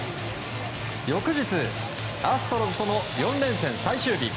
翌日、アストロズとの４連戦最終日。